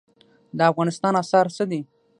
د افغانستان اسعار څه دي؟